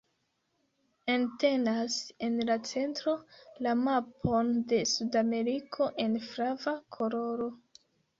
Entenas en la centro, la mapon de Sudameriko en flava koloro.